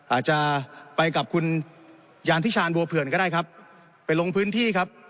อาจจะไปกับคุณยานทิชานบัวเผื่อนก็ได้ครับไปลงพื้นที่ครับ